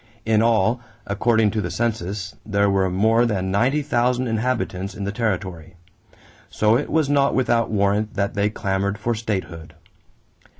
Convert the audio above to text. In all, according to the census, there were more than ninety thousand inhabitants in the territory; so it was not without warrant that they clamored for statehood.